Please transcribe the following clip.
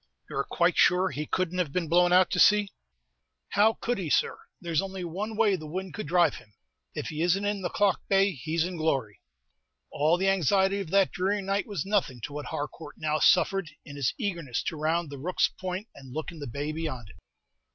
"You are quite sure he couldn't have been blown out to sea?" "How could he, sir? There's only one way the wind could dhrive him. If he isn't in the Clough Bay, he's in glory." All the anxiety of that dreary night was nothing to what Harcourt now suffered, in his eagerness to round the Rooks' Point, and look in the bay beyond it.